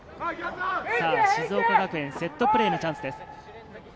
静岡学園、セットプレーのチャンスです。